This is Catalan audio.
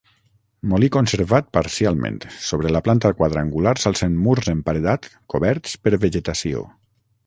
Molí conservat parcialment, sobre la planta quadrangular s'alcen murs en paredat coberts per vegetació.